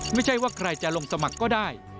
ไม่ใช่ว่าใครจะลงสมัครก็ได้